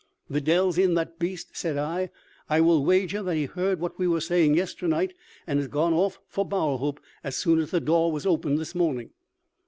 'The deil's in that beast,' said I, 'I will wager that he heard what we were saying yesternight, and has gone off for Bowerhope as soon as the door was opened this morning.'